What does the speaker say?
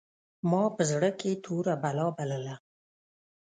ما په زړه کښې توره بلا بلله.